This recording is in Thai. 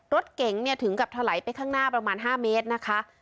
รถเก่งถึงกับทะไหลไปข้างหน้าประมาณ๕เมตรนะคะ